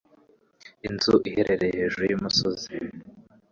Inzu iherereye hejuru yumusozi.